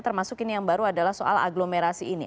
termasuk ini yang baru adalah soal aglomerasi ini